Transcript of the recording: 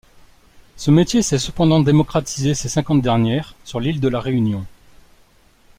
Ce métier s'est cependant démocratisé ces cinquante dernières sur l'île de la Réunion.